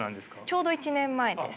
ちょうど１年前です。